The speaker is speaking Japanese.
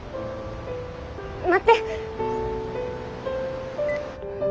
待って！